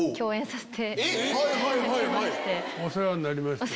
お世話になりました。